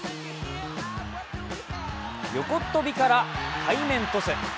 横っ飛びから、背面トス。